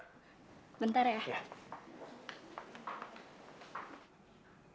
ngomong apaan ya kok gak kelihatan